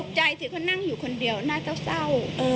ใจสิเขานั่งอยู่คนเดียวน่าเศร้า